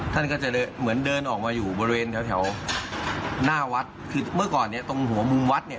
ท่านก็จะเหมือนเดินออกมาอยู่บริเวณแถวแถวหน้าวัดคือเมื่อก่อนเนี้ยตรงหัวมุมวัดเนี่ย